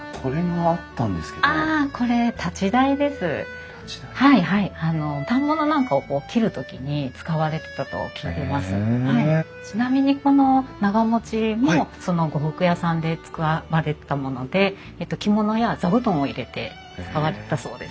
あのちなみにこの長持ちもその呉服屋さんで使われてたもので着物や座布団を入れて使われてたそうです。